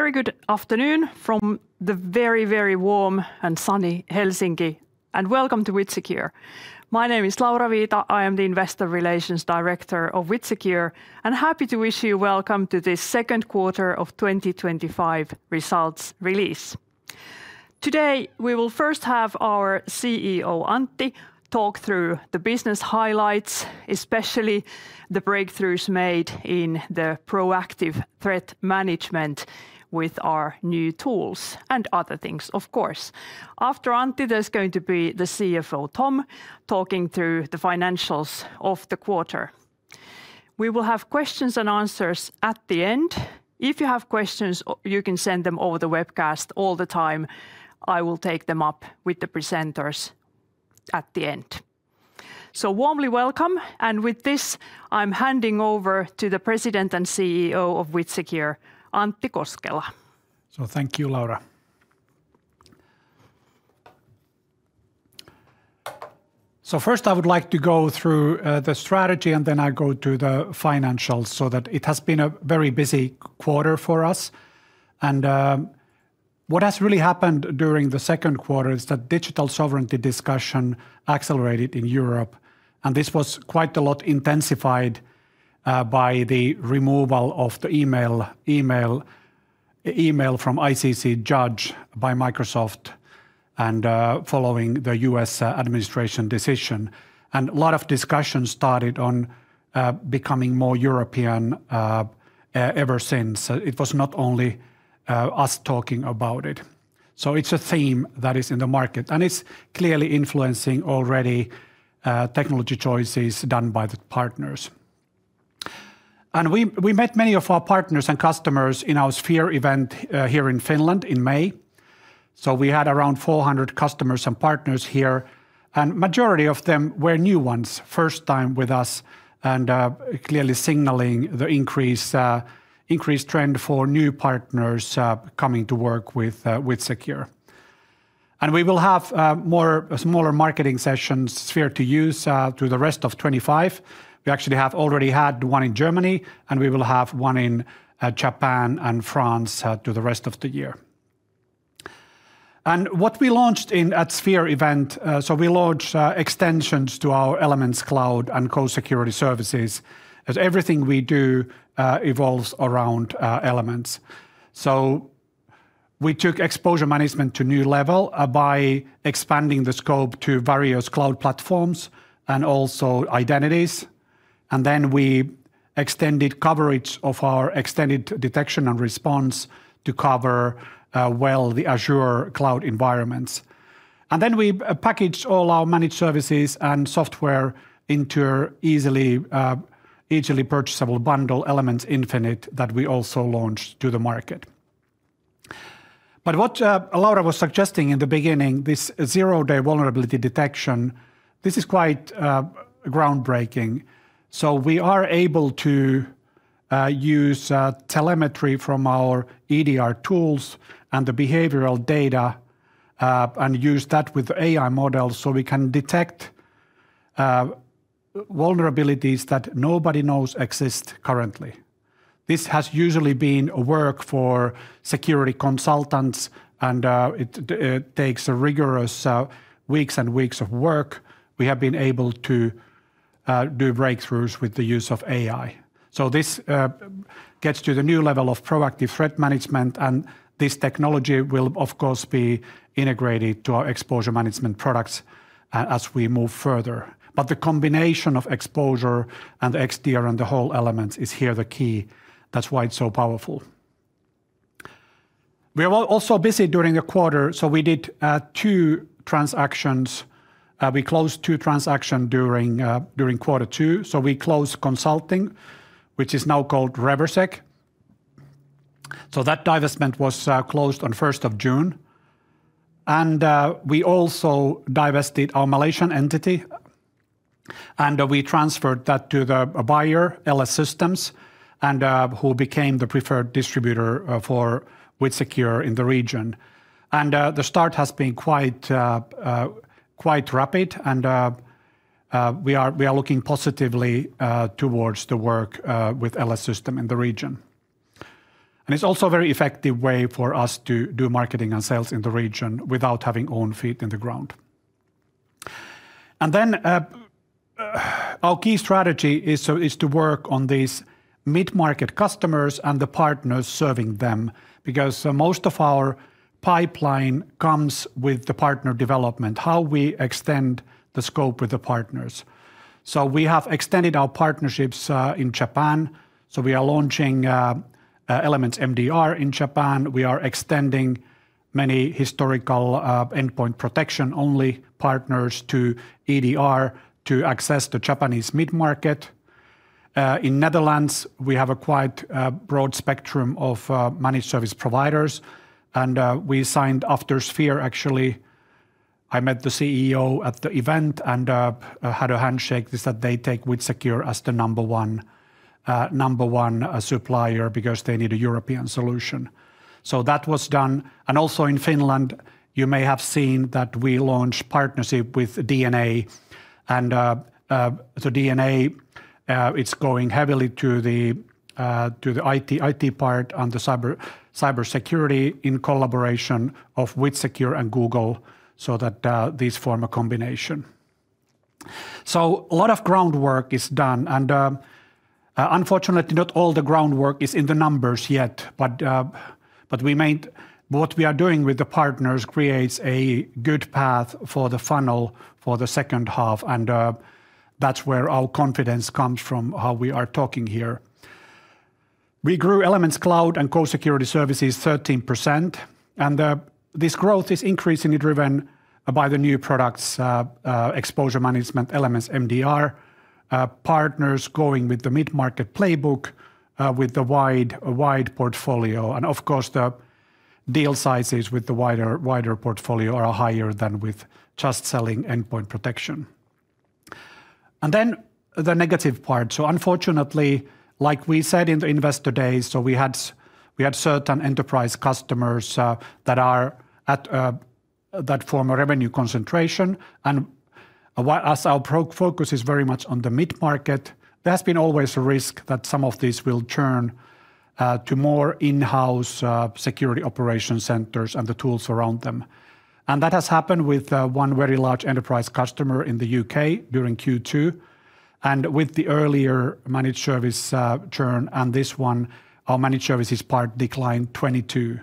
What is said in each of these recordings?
Very good afternoon from the very, very warm and sunny Helsinki, and welcome to WithSecure. My name is Laura Viita, I am the Investor Relations Director of WithSecure, and happy to wish you welcome to this second quarter of 2025 results release. Today, we will first have our CEO, Antti, talk through the business highlights, especially the breakthroughs made in the proactive threat management with our new tools and other things, of course. After Antti, there's going to be the CFO, Tom, talking through the financials of the quarter. We will have questions and answers at the end. If you have questions, you can send them over the webcast all the time. I will take them up with the presenters at the end. Warmly welcome, and with this, I'm handing over to the President and CEO of WithSecure, Antti Koskela. Thank you, Laura. First, I would like to go through the strategy, and then I go to the financials, so that it has been a very busy quarter for us. What has really happened during the second quarter is that digital sovereignty discussion accelerated in Europe, and this was quite a lot intensified by the removal of the email from ICC judged by Microsoft and following the U.S. administration decision. A lot of discussion started on becoming more European ever since. It was not only us talking about it. It's a theme that is in the market, and it's clearly influencing already technology choices done by the partners. We met many of our partners and customers in our SPHERE event here in Finland in May. We had around 400 customers and partners here, and the majority of them were new ones, first time with us, and clearly signaling the increased trend for new partners coming to work with WithSecure. We will have more smaller marketing sessions here to use through the rest of 2025. We actually have already had one in Germany, and we will have one in Japan and France through the rest of the year. What we launched at the SPHERE event, we launched extensions to our Elements Cloud and Co-Security Services, as everything we do evolves around Elements. We took exposure management to a new level by expanding the scope to various cloud platforms and also identities. We extended coverage of our extended detection and response to cover well the Azure cloud environments. We packaged all our managed services and software into an easily purchasable bundle, Elements Infinite, that we also launched to the market. What Laura was suggesting in the beginning, this zero-day vulnerability detection, this is quite groundbreaking. We are able to use telemetry from our EDR tools and the behavioral data and use that with AI models so we can detect vulnerabilities that nobody knows exist currently. This has usually been a work for security consultants, and it takes rigorous weeks and weeks of work. We have been able to do breakthroughs with the use of AI. This gets to the new level of proactive threat management, and this technology will, of course, be integrated to our exposure management products as we move further. The combination of exposure and XDR and the whole Elements is here the key. That's why it's so powerful. We are also busy during the quarter, we did two transactions. We closed two transactions during quarter two. We closed consulting, which is now called Reversec. That divestment was closed on June 1st. We also divested our Malaysian entity, and we transferred that to the buyer, LS Systems, who became the preferred distributor for WithSecure in the region. The start has been quite rapid, and we are looking positively towards the work with LS Systems in the region. It is also a very effective way for us to do marketing and sales in the region without having our own feet in the ground. Our key strategy is to work on these mid-market customers and the partners serving them, because most of our pipeline comes with the partner development, how we extend the scope with the partners. We have extended our partnerships in Japan. We are launching Elements MDR in Japan. We are extending many historical endpoint protection-only partners to EDR to access the Japanese mid-market. In the Netherlands, we have a quite broad spectrum of managed service providers. We signed after SPHERE, actually, I met the CEO at the event and had a handshake. They said they take WithSecure as the number one supplier because they need a European solution. That was done. In Finland, you may have seen that we launched a partnership with DNA. DNA is going heavily to the IT part and the cybersecurity in collaboration of WithSecure and Google, so that these form a combination. A lot of groundwork is done. Unfortunately, not all the groundwork is in the numbers yet, but what we are doing with the partners creates a good path for the funnel for the second half. That is where our confidence comes from, how we are talking here. We grew Elements Cloud and Co-Security Services 13%. This growth is increasingly driven by the new products, exposure management, Elements MDR, partners going with the mid-market playbook with the wide portfolio. Of course, the deal sizes with the wider portfolio are higher than with just selling endpoint protection. The negative part is, unfortunately, like we said in the investor days, we have certain enterprise customers that form a revenue concentration. As our focus is very much on the mid-market, there has been always a risk that some of these will churn to more in-house security operation centers and the tools around them. That has happened with one very large enterprise customer in the U.K. during Q2. With the earlier managed service churn and this one, our managed services part declined 22%.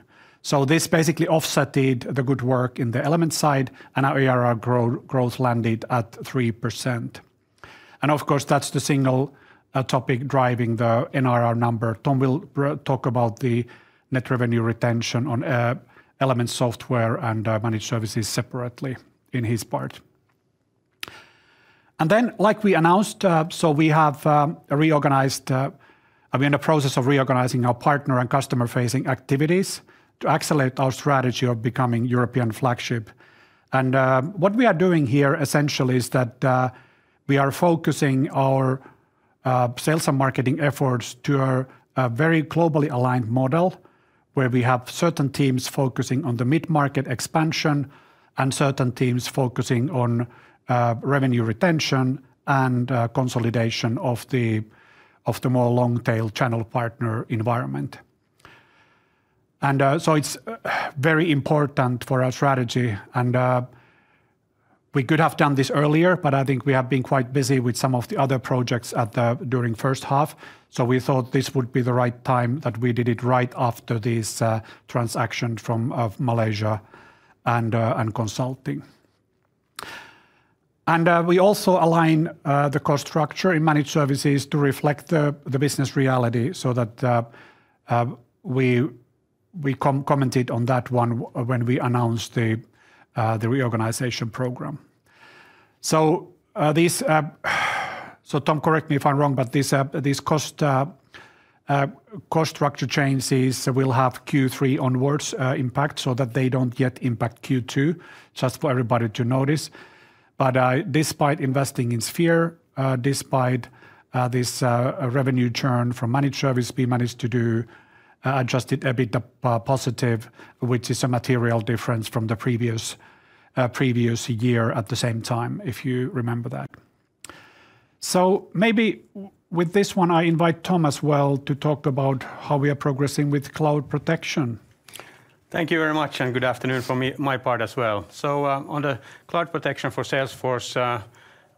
This basically offset the good work in the Elements side, and our ARR growth landed at 3%. Of course, that's the single topic driving the NRR number. Tom will talk about the net revenue retention on Elements software and managed services separately in his part. Like we announced, we have reorganized and are in the process of reorganizing our partner and customer-facing activities to accelerate our strategy of becoming a European flagship. What we are doing here essentially is focusing our sales and marketing efforts to a very globally aligned model where we have certain teams focusing on the mid-market expansion and certain teams focusing on revenue retention and consolidation of the more long-tail channel partner environment. It's very important for our strategy. We could have done this earlier, but I think we have been quite busy with some of the other projects during the first half. We thought this would be the right time that we did it right after this transaction from Malaysia and consulting. We also aligned the cost structure in managed services to reflect the business reality, so we commented on that one when we announced the reorganization program. Tom, correct me if I'm wrong, but these cost structure changes will have Q3 onwards impact so that they don't yet impact Q2, just for everybody to notice. Despite investing in Sphere, despite this revenue churn from managed service, we managed to do just a bit positive, which is a material difference from the previous year at the same time, if you remember that. Maybe with this one, I invite Tom as well to talk about how we are progressing with cloud protection. Thank you very much, and good afternoon from my part as well. On the Cloud Protection for Salesforce,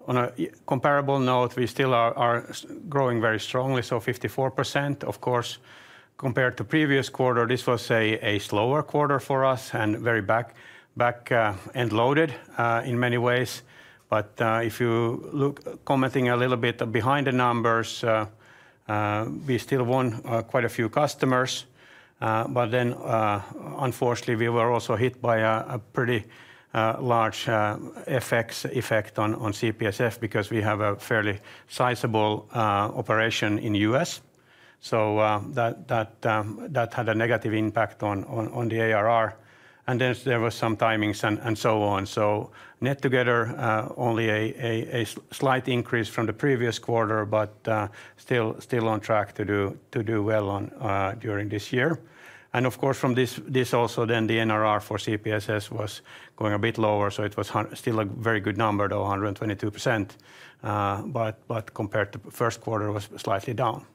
on a comparable note, we still are growing very strongly, so 54%. Of course, compared to the previous quarter, this was a slower quarter for us and very back-end loaded in many ways. If you look, commenting a little bit behind the numbers, we still won quite a few customers. Unfortunately, we were also hit by a pretty large effect on CPSF because we have a fairly sizable operation in the U.S. That had a negative impact on the ARR. There were some timings and so on. Net together, only a slight increase from the previous quarter, but still on track to do well during this year. Of course, from this also, then the NRR for CPSF was going a bit lower. It was still a very good number, though, 122%. Compared to the first quarter, it was slightly down.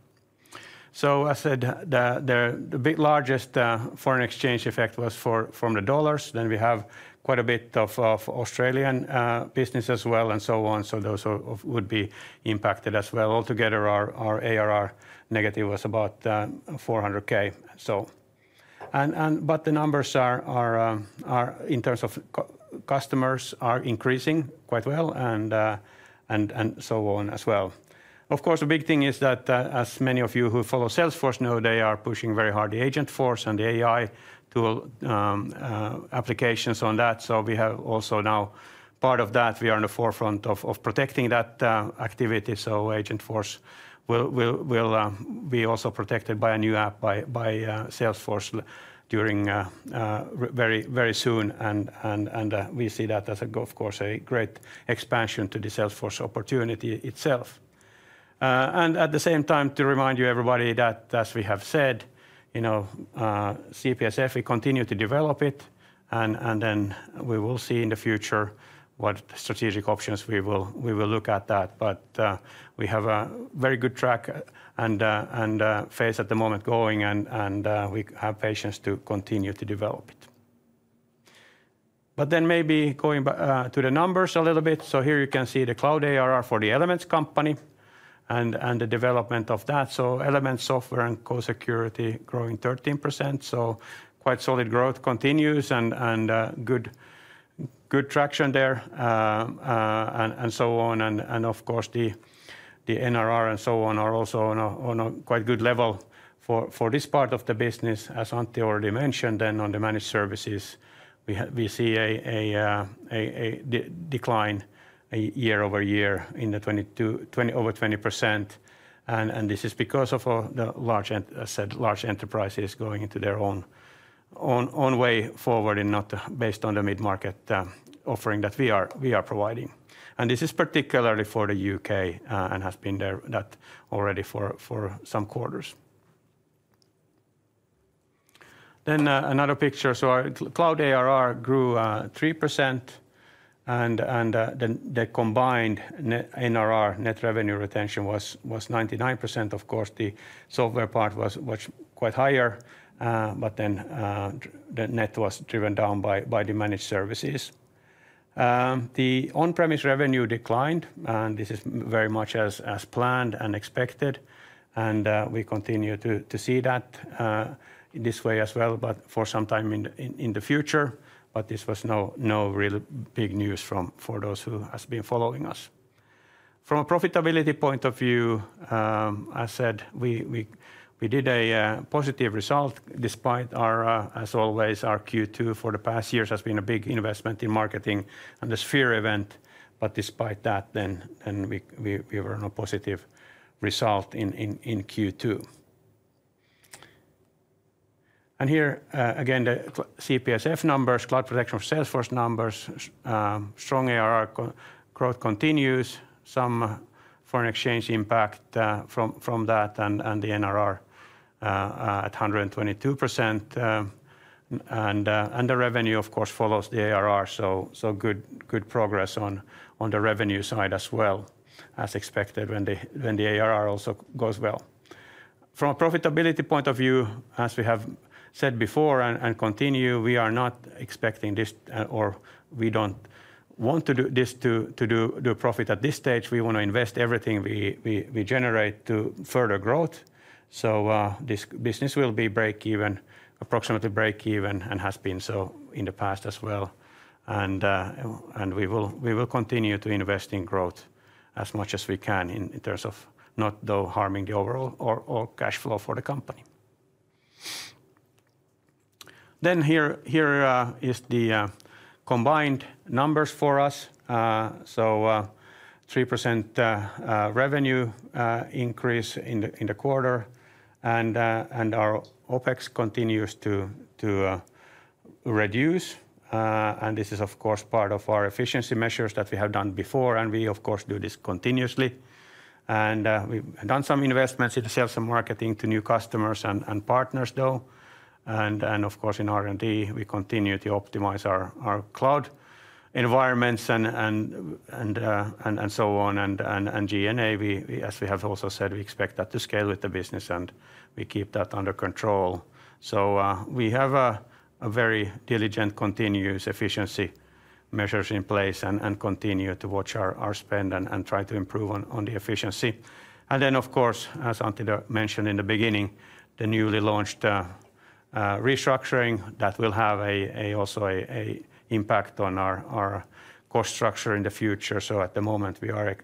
As I said, the largest foreign exchange effect was from the dollars. We have quite a bit of Australian business as well and so on. Those would be impacted as well. Altogether, our ARR negative was about $400,000. The numbers are, in terms of customers, increasing quite well and so on as well. Of course, the big thing is that, as many of you who follow Salesforce know, they are pushing very hard the agent force and the AI tool applications on that. We have also now part of that. We are in the forefront of protecting that activity. Agentforce will be also protected by a new app by Salesforce very soon. We see that as, of course, a great expansion to the Salesforce opportunity itself. At the same time, to remind you, everybody, that as we have said, you know, CPSF, we continue to develop it. We will see in the future what strategic options we will look at that. We have a very good track and phase at the moment going, and we have patience to continue to develop it. Maybe going to the numbers a little bit. Here you can see the cloud ARR for the Elements company and the development of that. Elements software and Co-Security Services growing 13%. Quite solid growth continues and good traction there and so on. The NRR and so on are also on a quite good level for this part of the business. As Antti already mentioned, on the managed services, we see a decline year-over-year in the 20% over 20%. This is because of the large, as I said, large enterprises going into their own way forward and not based on the mid-market offering that we are providing. This is particularly for the U.K. and has been there already for some quarters. Another picture. Our cloud ARR grew 3%. The combined NRR, net revenue retention, was 99%. The software part was quite higher, but then the net was driven down by the managed services. The on-premise revenue declined, and this is very much as planned and expected. We continue to see that in this way as well, but for some time in the future. This was no real big news for those who have been following us. From a profitability point of view, as I said, we did a positive result despite our, as always, our Q2 for the past years has been a big investment in marketing and the Sphere event. Despite that, we were on a positive result in Q2. Here again, the CPSF numbers, Cloud Protection for Salesforce numbers, strong ARR growth continues, some foreign exchange impact from that, and the NRR at 122%. The revenue, of course, follows the ARR. Good progress on the revenue side as well, as expected, when the ARR also goes well. From a profitability point of view, as we have said before and continue, we are not expecting this, or we don't want to do this to do profit at this stage. We want to invest everything we generate to further growth. This business will be break-even, approximately break-even, and has been so in the past as well. We will continue to invest in growth as much as we can in terms of not though harming the overall or cash flow for the company. Here is the combined numbers for us. 3% revenue increase in the quarter. Our OpEx continues to reduce. This is, of course, part of our efficiency measures that we have done before. We, of course, do this continuously. We've done some investments in sales and marketing to new customers and partners, though. In R&D, we continue to optimize our cloud environments and so on. G&A, as we have also said, we expect that to scale with the business and we keep that under control. We have very diligent continuous efficiency measures in place and continue to watch our spend and try to improve on the efficiency. As Antti mentioned in the beginning, the newly launched restructuring that will have also an impact on our cost structure in the future. At the moment, we are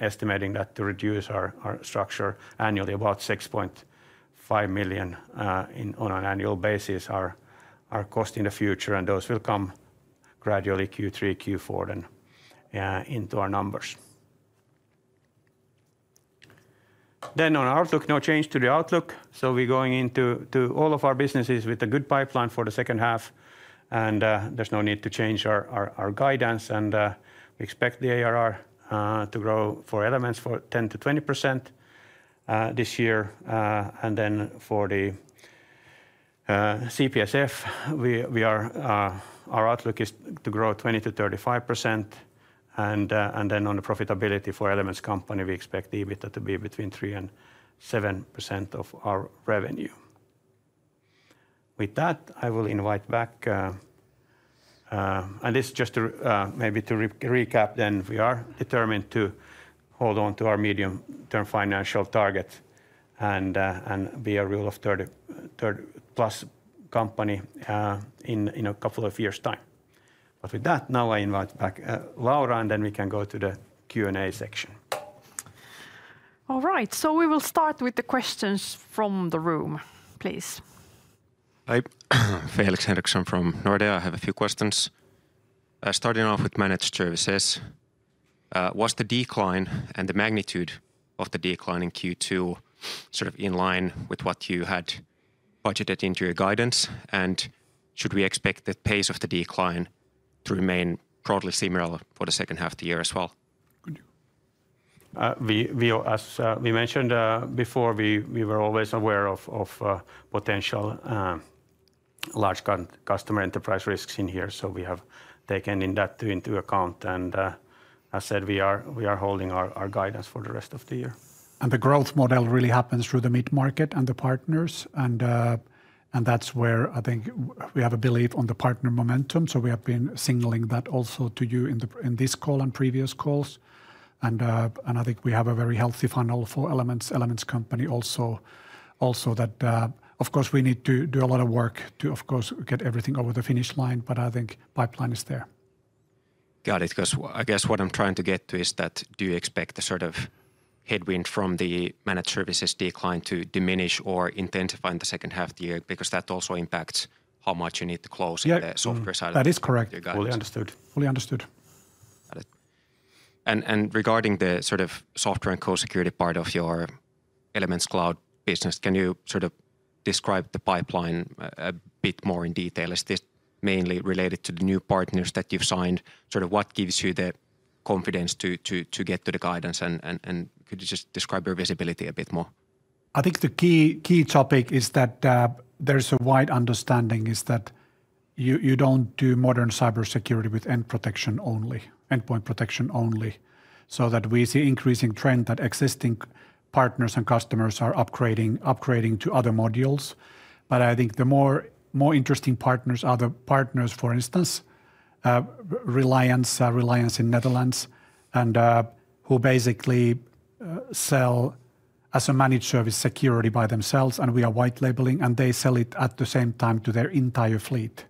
estimating that to reduce our structure annually about $6.5 million on an annual basis, our cost in the future. Those will come gradually Q3, Q4 then into our numbers. On our outlook, no change to the outlook. We're going into all of our businesses with a good pipeline for the second half. There's no need to change our guidance. We expect the ARR to grow for Elements for 10%-20% this year. For the CPSF, our outlook is to grow 20% to 35%. On the profitability for Elements company, we expect EBITDA to be between 3% and 7% of our revenue. With that, I will invite back, and this is just to maybe recap, we are determined to hold on to our medium-term financial targets and be a rule of 30+ company in a couple of years' time. With that, now I invite back Laura, and then we can go to the Q&A section. All right, we will start with the questions from the room, please. Hi, Felix Henriksson from Nordea. I have a few questions. Starting off with managed services, was the decline and the magnitude of the decline in Q2 in line with what you had budgeted into your guidance? Should we expect the pace of the decline to remain broadly similar for the second half of the year as well? As we mentioned before, we were always aware of potential large customer enterprise risks in here. We have taken that into account. As I said, we are holding our guidance for the rest of the year. The growth model really happens through the mid-market and the partners. That's where I think we have a belief on the partner momentum. We have been signaling that also to you in this call and previous calls. I think we have a very healthy funnel for Elements Cloud also. Of course, we need to do a lot of work to get everything over the finish line, but I think the pipeline is there. Got it. Because I guess what I'm trying to get to is that do you expect the sort of headwind from the managed services decline to diminish or intensify in the second half of the year? Because that also impacts how much you need to close the software side. That is correct. Fully understood. Fully understood. Regarding the sort of software and Co-Security part of your Elements Cloud business, can you describe the pipeline a bit more in detail? Is this mainly related to the new partners that you've signed? What gives you the confidence to get to the guidance? Could you just describe your visibility a bit more? I think the key topic is that there's a wide understanding that you don't do modern cybersecurity with endpoint protection only. We see an increasing trend that existing partners and customers are upgrading to other modules. I think the more interesting partners are the partners, for instance, Reliance in the Netherlands, who basically sell as a managed service security by themselves. We are white labeling, and they sell it at the same time to their entire fleet.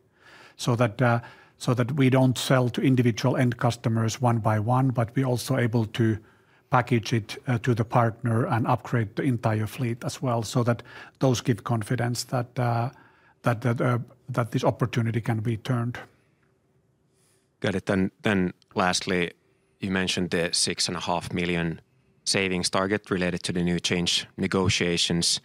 We don't sell to individual end customers one by one, but we are also able to package it to the partner and upgrade the entire fleet as well. Those give confidence that this opportunity can be turned. Got it. Lastly, you mentioned the $6.5 million savings target related to the new change negotiations.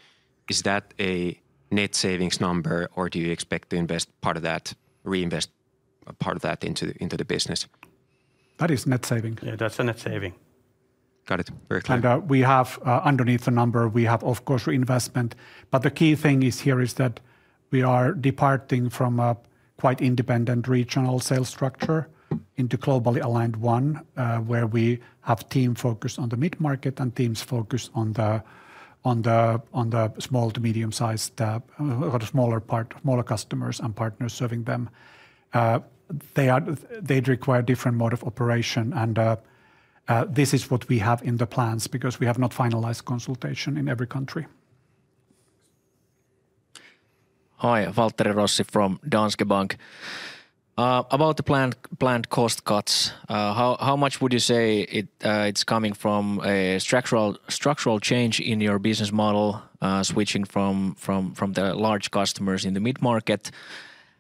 Is that a net savings number, or do you expect to invest part of that, reinvest part of that into the business? That is net saving. Yeah, that's a net saving. Got it. Underneath the number, we have, of course, reinvestment. The key thing here is that we are departing from a quite independent regional sales structure into a globally aligned one where we have a team focused on the mid-market and teams focused on the small to medium sized, the smaller part, smaller customers and partners serving them. They require a different mode of operation. This is what we have in the plans because we have not finalized consultation in every country. Hi, Waltteri Rossi from Danske Bank. About the planned cost cuts, how much would you say it's coming from a structural change in your business model, switching from the large customers in the mid-market?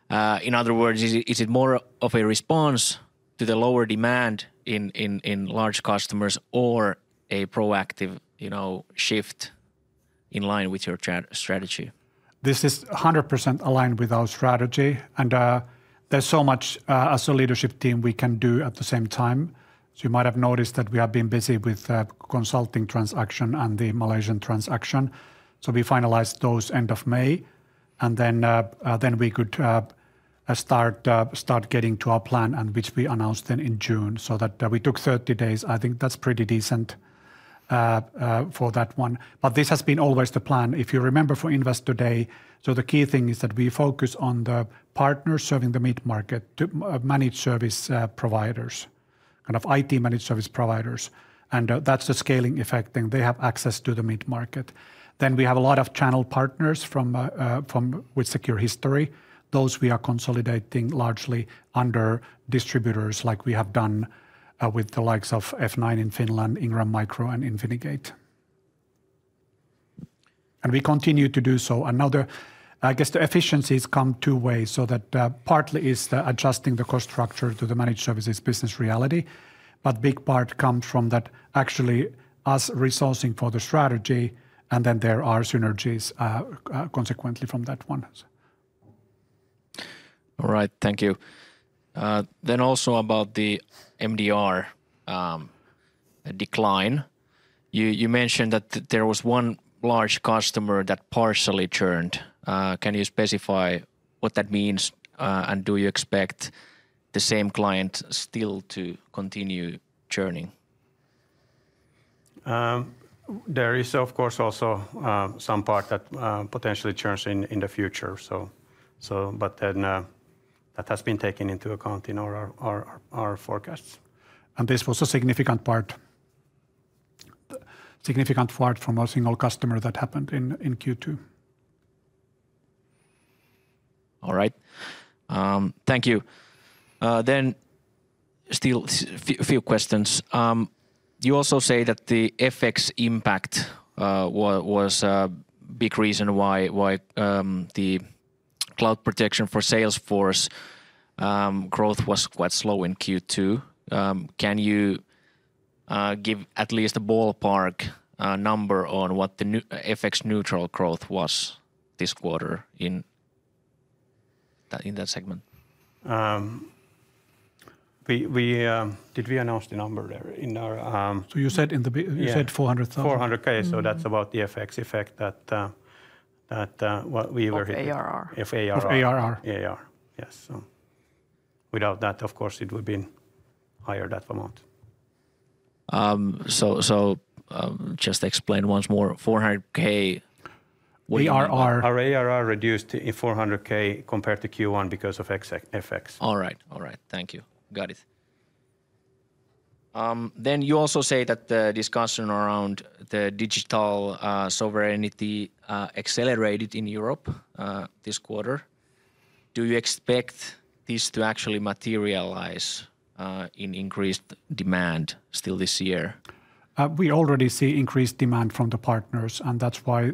In other words, is it more of a response to the lower demand in large customers or a proactive shift in line with your strategy? This is 100% aligned with our strategy. There is so much as a leadership team we can do at the same time. You might have noticed that we have been busy with the consulting transaction and the Malaysian transaction. We finalized those end of May, and then we could start getting to our plan, which we announced in June. That took 30 days. I think that's pretty decent for that one. This has been always the plan. If you remember from Investor Day, the key thing is that we focus on the partners serving the mid-market, managed service providers, kind of IT managed service providers. That's the scaling effect. They have access to the mid-market. We have a lot of channel partners from WithSecure history. Those we are consolidating largely under distributors like we have done with the likes of F9 in Finland, Ingram Micro, and Infinigate. We continue to do so. Now I guess the efficiencies come two ways. That partly is adjusting the cost structure to the managed services business reality, but a big part comes from that actually us resourcing for the strategy. There are synergies consequently from that one. All right, thank you. Also, about the MDR decline, you mentioned that there was one large customer that partially churned. Can you specify what that means? Do you expect the same client still to continue churning? There is, of course, also some part that potentially churns in the future. That has been taken into account in our forecasts. And this was a significant part from a single customer that happened in Q2. All right, thank you. Still a few questions. You also say that the FX impact was a big reason why the Cloud Protection for Salesforce growth was quite slow in Q2. Can you give at least a ballpark number on what the FX neutral growth was this quarter in that segment? Did we announce the number there? You said $400,000? $400,000, so that's about the FX effect that we were hitting. Of ARR. Yes. Without that, of course, it would have been higher that amount. Could you explain once more, $400,000. Our ARR reduced by $400,000 compared to Q1 because of FX. All right, thank you. Got it. You also say that the discussion around digital sovereignty accelerated in Europe this quarter. Do you expect this to actually materialize in increased demand still this year? We already see increased demand from the partners, and that's why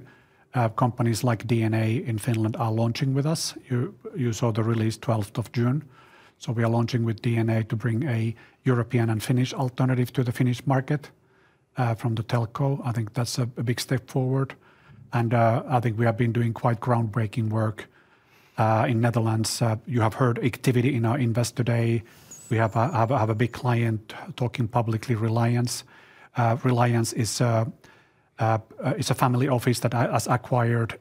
companies like DNA in Finland are launching with us. You saw the release 12th of June. We are launching with DNA to bring a European and Finnish alternative to the Finnish market from the telco. I think that's a big step forward. I think we have been doing quite groundbreaking work in the Netherlands. You have heard activity in our Investor Day. We have a big client talking publicly, Reliance. Reliance is a family office that has acquired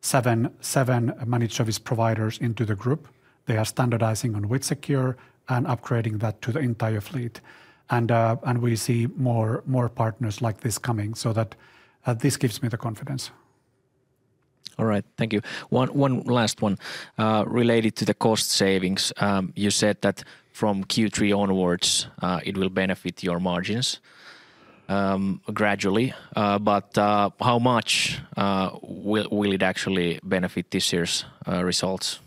seven managed service providers into the group. They are standardizing on WithSecure and upgrading that to the entire fleet. We see more partners like this coming. This gives me the confidence. All right, thank you. One last one related to the cost savings. You said that from Q3 onwards, it will benefit your margins gradually. How much will it actually benefit this year's results?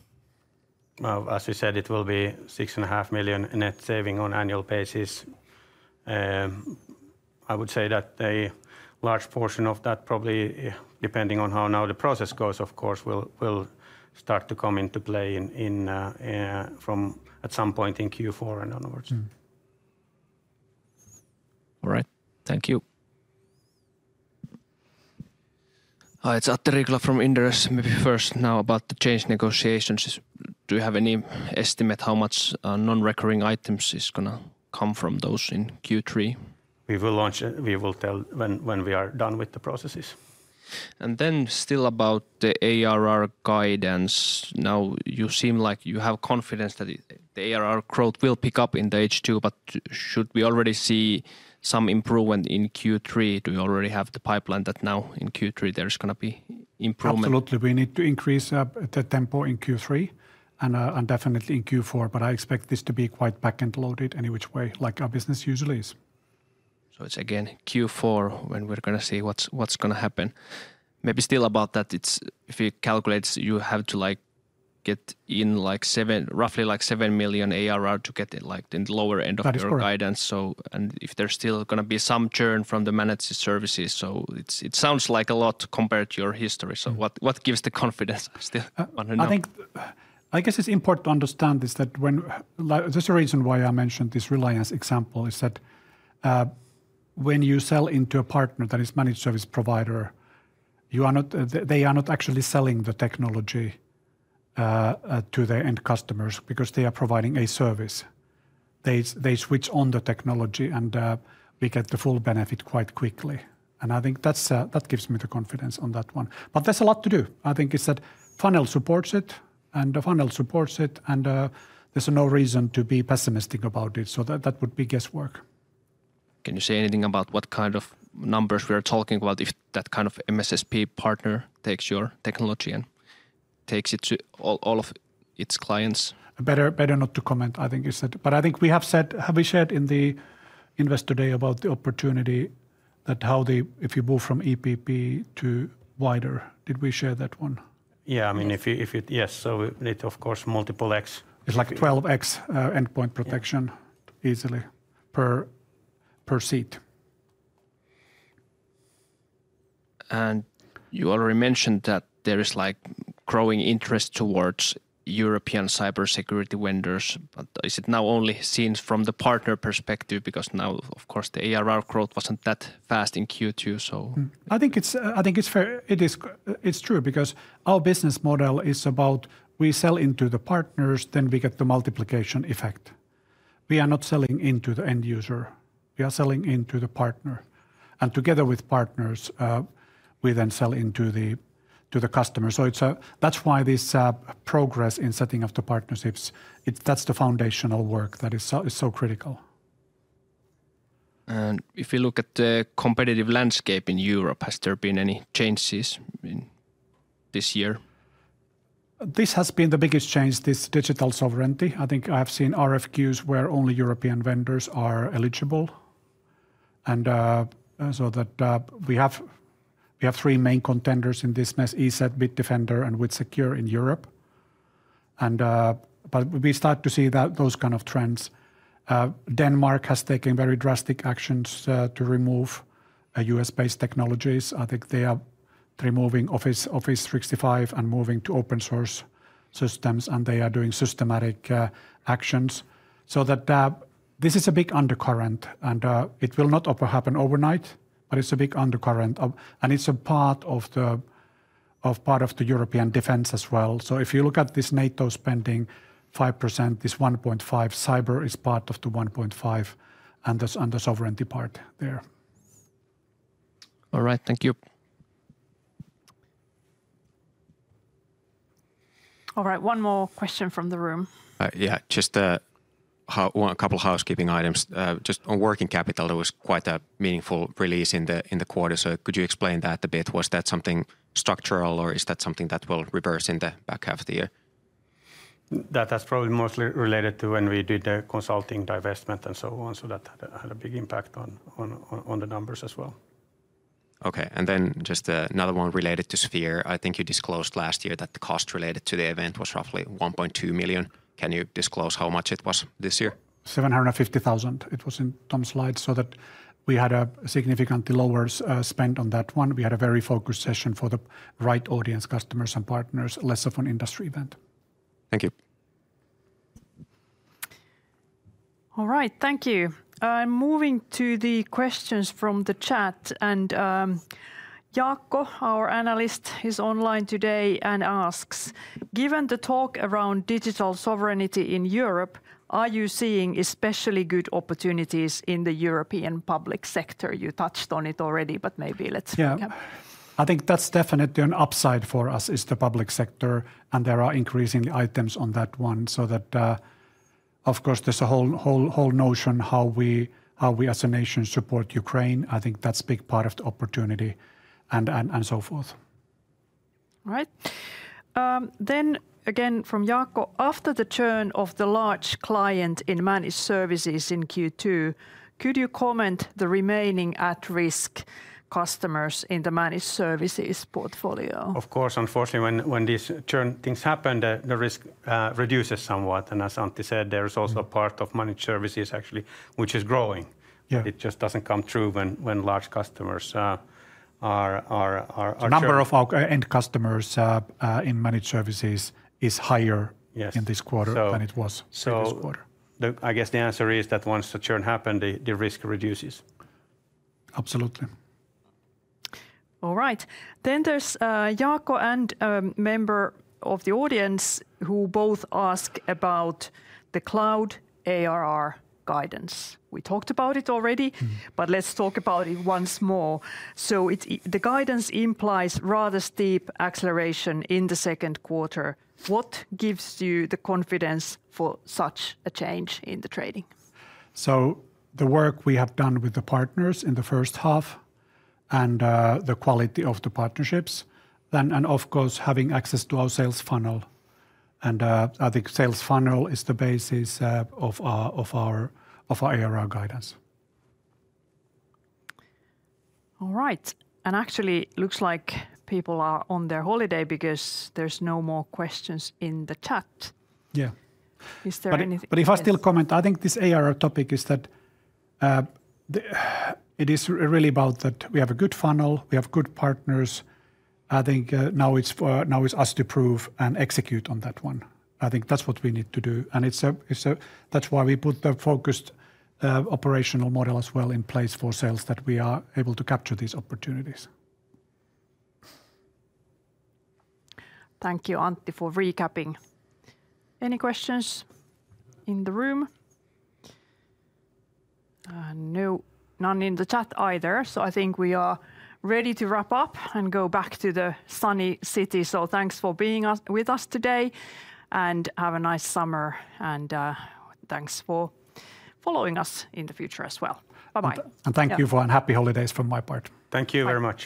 As we said, it will be 6.5 million net saving on an annual basis. I would say that a large portion of that, probably depending on how now the process goes, of course, will start to come into play at some point in Q4 and onwards. All right, thank you. Hi, it's Atte Riikola from Inderes. Maybe first now about the change negotiations. Do you have any estimate how much non-recurring items are going to come from those in Q3? We will tell when we are done with the processes. Regarding the ARR guidance, you seem like you have confidence that the ARR growth will pick up in the H2, but should we already see some improvement in Q3? Do you already have the pipeline that now in Q3 there's going to be improvement? Absolutely. We need to increase at that tempo in Q3 and definitely in Q4. I expect this to be quite back-end loaded, in which way, like our business usually is. It's again Q4 when we're going to see what's going to happen. Maybe still about that, if you calculate, you have to get in roughly $7 million ARR to get the lower end of your guidance. If there's still going to be some churn from the managed services, it sounds like a lot compared to your history. What gives the confidence still? I think it's important to understand that when, there's a reason why I mentioned this Reliance example, when you sell into a partner that is a managed service provider, they are not actually selling the technology to the end customers because they are providing a service. They switch on the technology and we get the full benefit quite quickly. I think that gives me the confidence on that one. There is a lot to do. I think that funnel supports it, and the funnel supports it, and there's no reason to be pessimistic about it. That would be guesswork. Can you say anything about what kind of numbers we are talking about if that kind of MSSP partner takes your technology and takes it to all of its clients? Better not to comment, I think you said. I think we have said, have we shared in the Investor Day about the opportunity that how the, if you move from EPP to wider, did we share that one? Yeah. I mean, if you, yes, so it, of course, multiple X. It's like 12x endpoint protection easily per seat. You already mentioned that there is growing interest towards European cybersecurity vendors. Is it now only seen from the partner perspective? Because now, of course, the ARR growth wasn't that fast in Q2. I think it's fair. It is true because our business model is about we sell into the partners, then we get the multiplication effect. We are not selling into the end user. We are selling into the partner. Together with partners, we then sell into the customer. That's why this progress in setting up the partnerships, that's the foundational work that is so critical. If you look at the competitive landscape in Europe, has there been any changes this year? This has been the biggest change, this digital sovereignty. I think I've seen RFQs where only European vendors are eligible. We have three main contenders in this mess: ESET, Bitdefender, and WithSecure in Europe. We start to see those kinds of trends. Denmark has taken very drastic actions to remove U.S.-based technologies. I think they are removing Office 365 and moving to open source systems, and they are doing systematic actions. This is a big undercurrent, and it will not happen overnight, but it's a big undercurrent. It's a part of the European defense as well. If you look at this NATO spending, 5%, this 1.5%, cyber is part of the 1.5%, and the sovereignty part there. All right, thank you. All right, one more question from the room. Just a couple of housekeeping items. On working capital, there was quite a meaningful release in the quarter. Could you explain that a bit? Was that something structural, or is that something that will reverse in the back half of the year? That's probably mostly related to when we did the consulting divestment and so on. That had a big impact on the numbers as well. Okay, and then just another one related to SPHERE. I think you disclosed last year that the cost related to the event was roughly $1.2 million. Can you disclose how much it was this year? $750,000. It was in Tom's slides. We had a significantly lower spend on that one. We had a very focused session for the right audience, customers, and partners, less of an industry event. Thank you. All right, thank you. I'm moving to the questions from the chat. Jaakko, our analyst, is online today and asks, given the talk around digital sovereignty in Europe, are you seeing especially good opportunities in the European public sector? You touched on it already, but maybe let's pick up. I think that's definitely an upside for us, is the public sector. There are increasing items on that one. Of course, there's a whole notion how we, as a nation, support Ukraine. I think that's a big part of the opportunity and so forth. All right. Again from Jaakko, after the churn of the large client in managed services in Q2, could you comment the remaining at-risk customers in the managed services portfolio? Of course, unfortunately, when these churn things happen, the risk reduces somewhat. As Antti said, there is also a part of managed services actually, which is growing. It just doesn't come true when large customers are... The number of our end customers in managed services is higher in this quarter than it was last quarter. I guess the answer is that once the churn happened, the risk reduces. Absolutely. All right. There's Jaakko and a member of the audience who both ask about the cloud ARR guidance. We talked about it already, but let's talk about it once more. The guidance implies rather steep acceleration in the second quarter. What gives you the confidence for such a change in the trading? The work we have done with the partners in the first half and the quality of the partnerships, and of course, having access to our sales funnel, I think sales funnel is the basis of our ARR guidance. All right. It looks like people are on their holiday because there's no more questions in the chat. If I still comment, I think this ARR topic is that it is really about that we have a good funnel, we have good partners. I think now it's us to prove and execute on that one. I think that's what we need to do. That's why we put the focused operational model as well in place for sales that we are able to capture these opportunities. Thank you, Antti, for recapping. Any questions in the room? No, none in the chat either. I think we are ready to wrap up and go back to the sunny city. Thanks for being with us today and have a nice summer. Thanks for following us in the future as well. Bye-bye. Thank you for happy holidays from my part. Thank you very much.